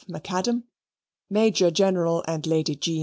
Macadam, Major General and Lady G.